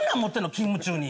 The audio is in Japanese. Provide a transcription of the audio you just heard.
勤務中に。